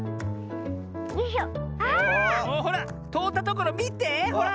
ほらとおったところみてほら。